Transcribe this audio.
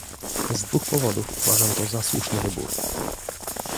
Z dwóch powodów uważam to za słuszny wybór